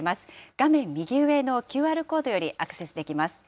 画面右上のＱＲコードよりアクセスできます。